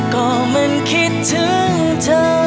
ก็มันคิดถึงเธอ